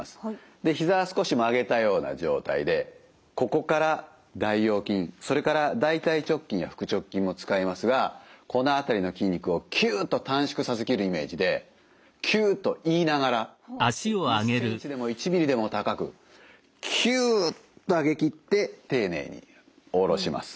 でひざは少し曲げたような状態でここから大腰筋それから大腿直筋や腹直筋も使いますがこの辺りの筋肉を「きゅ」と短縮させきるイメージで「きゅ」と言いながら１センチでも１ミリでも高くきゅっと上げきって丁寧に下ろします。